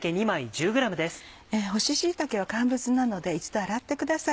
干し椎茸は乾物なので一度洗ってください。